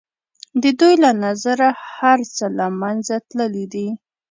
د دوی له نظره هر څه له منځه تللي دي.